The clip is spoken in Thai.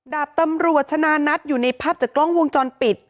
ดาบตำรวจชนะนัทอยู่ในภาพจากกล้องวงจรปิด